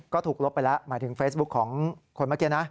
ก็ถูกลบไปแล้วหมายถึงเฟซบุ๊คของคนเมื่อกี้นะ